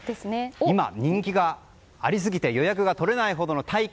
今、人気がありすぎて予約が取れないほどの体験